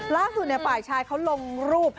ล่าสุดฝ่ายชายเขาลงรูป